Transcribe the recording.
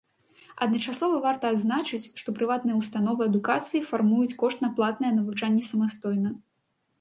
Адначасова варта адзначыць, што прыватныя ўстановы адукацыі фармуюць кошт на платнае навучанне самастойна.